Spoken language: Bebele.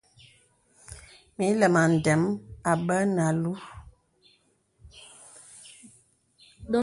Mə ilɛmaŋ ndə̀m àbə̀ nə alúú.